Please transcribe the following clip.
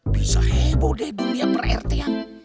bisa heboh deh dunia per rtm